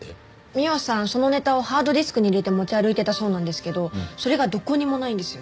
美緒さんそのネタをハードディスクに入れて持ち歩いてたそうなんですけどそれがどこにもないんですよ。